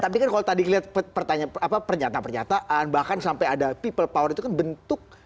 tapi kan kalau tadi lihat pertanyaan apa pernyata pernyata bahkan sampai ada people power itu kan bentuk